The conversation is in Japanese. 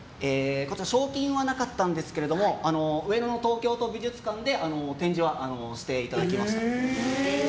賞金はなかったんですけども上野の東京都美術館で展示はしていただきました。